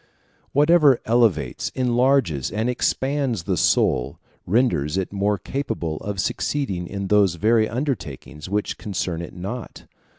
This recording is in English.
Whatever elevates, enlarges, and expands the soul, renders it more capable of succeeding in those very undertakings which concern it not.